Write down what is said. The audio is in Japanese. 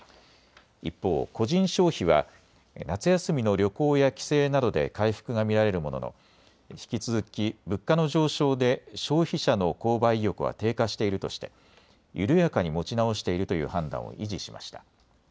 一方、個人消費は夏休みの旅行や帰省などで回復が見られるものの引き続き物価の上昇で消費者の購買意欲は低下しているとして緩やかに持ち直しているという判断を維持しました。